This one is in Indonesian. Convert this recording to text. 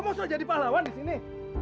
lo mau suruh jadi pahlawan di sini